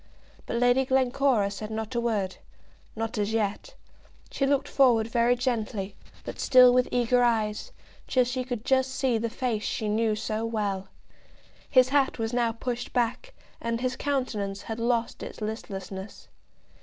But Lady Glencora said not a word, not as yet. She looked forward very gently, but still with eager eyes, till she could just see the face she knew so well. His hat was now pushed back, and his countenance had lost its listlessness.